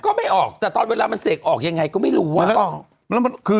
ก็ไม่ออกแต่ตอนเวลามันเสกออกยังไงก็ไม่รู้